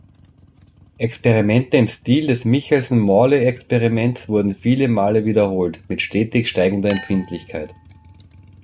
Experimente im Stil des Michelson-Morley-Experiments wurden viele Male wiederholt, mit stetig steigender Empfindlichkeit.